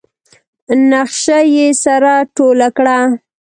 نخشه يې سره ټوله کړه.